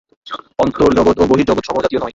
অন্তর্জগৎ ও বহির্জগৎ সমজাতীয় নয়।